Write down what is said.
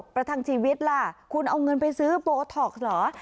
ประทังชีวิตล่ะคุณเอาเงินไปซื้อโบท็อกซ์เหรอ